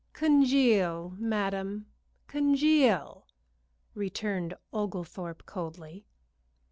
"Congeal, madam, congeal!" returned Oglethorpe, coldly.